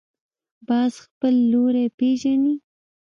باز خپل لوری پېژني